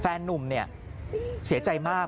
นุ่มเนี่ยเสียใจมาก